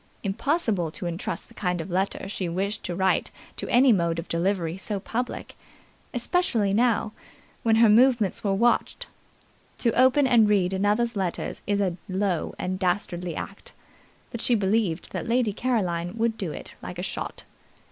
Impossible to entrust the kind of letter she wished to write to any mode of delivery so public especially now, when her movements were watched. To open and read another's letters is a low and dastardly act, but she believed that Lady Caroline would do it like a shot.